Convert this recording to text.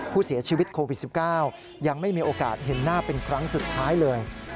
ผู้เสียชีวิตโควิด๑๙ยังไม่มีโอกาสเห็นหน้าเป็นครั้งสุดท้ายเลย